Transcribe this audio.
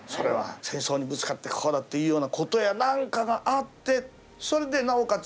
戦争にぶつかってこうだっていうようなことや何かがあってそれでなおかつ